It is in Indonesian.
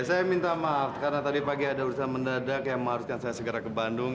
saya minta maaf karena tadi pagi ada urusan mendadak yang mengharuskan saya segera ke bandung